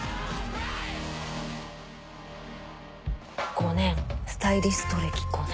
５年スタイリスト歴５年。